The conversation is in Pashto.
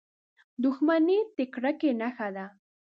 • دښمني د کرکې نښه ده.